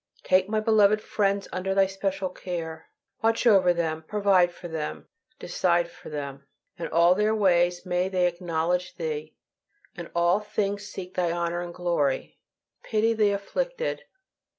Take my beloved friends under Thy special care. Watch over them, provide for them, decide for them. In all their ways may they acknowledge Thee, and in all things seek Thy honor and glory. Pity the afflicted.